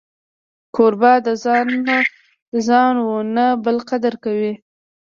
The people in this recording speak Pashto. کوربه د ځان و نه بل قدر کوي.